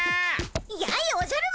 やいっおじゃる丸